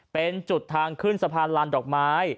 เป็นจุดทางขึ้นสะพานลานดอกไม้